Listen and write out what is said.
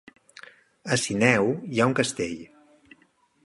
A Sineu hi ha un castell?